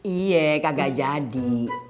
iya kak gak jadi